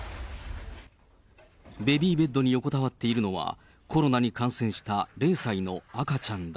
ベビーベッドに横たわっているのは、コロナに感染した０歳の赤ちゃんだ。